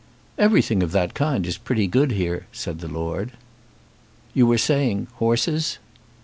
"Everything of that kind is pretty good here," said the Lord. "You were saying horses."